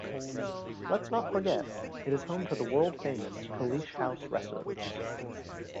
Let's not forget, it is home to the world-famous "Caliche House" residents.